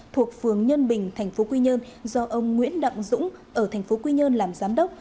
thuộc phường nhân bình tp quy nhơn do ông nguyễn đặng dũng ở tp quy nhơn làm giám đốc